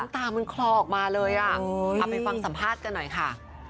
ตามันคลอออกมาเลยอ่ะเอาไปฟังสัมภาษณ์กันหน่อยค่ะ